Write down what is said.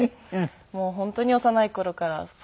もう本当に幼い頃からそうですね。